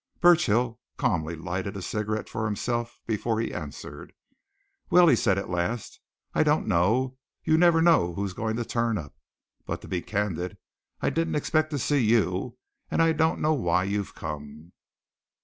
Burchill calmly lighted a cigarette for himself before he answered. "Well," he said at last, "I don't know you never know who's going to turn up. But to be candid, I didn't expect to see you, and I don't know why you've come."